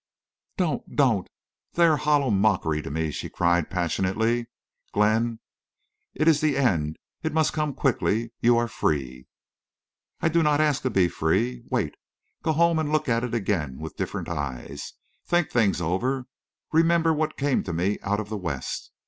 "Don't! don't!... they are hollow mockery for me," she cried, passionately. "Glenn, it is the end. It must come—quickly.... You are free." "I do not ask to be free. Wait. Go home and look at it again with different eyes. Think things over. Remember what came to me out of the West.